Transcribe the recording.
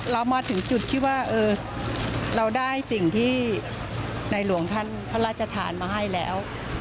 เรามาถึงจุดที่ว่าเราได้สิ่งที่ในหลวงท่านพระราชทานมาให้แล้ว